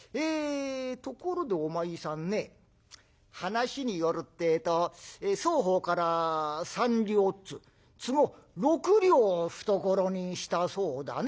ところでお前さんね話によるってえと双方から３両っつ都合６両を懐にしたそうだね」。